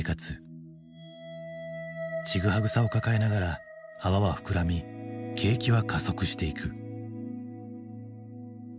チグハグさを抱えながら泡は膨らみ景気は加速していく。